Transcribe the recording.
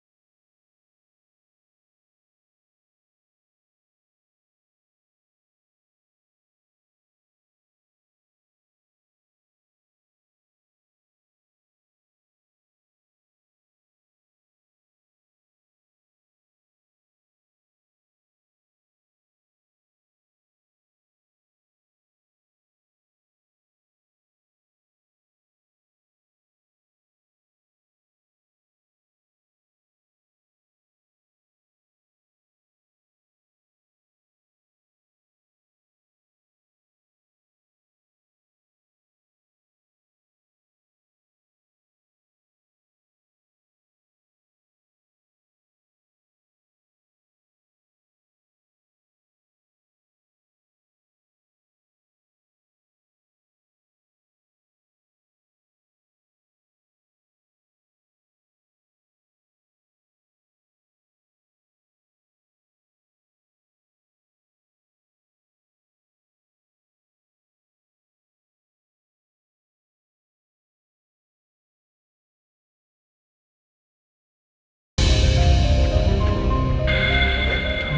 malam biru baik baik aja kan